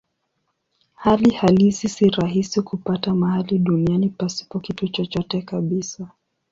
Hali halisi si rahisi kupata mahali duniani pasipo kitu chochote kabisa.